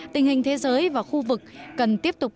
tình hình thế giới và khu vực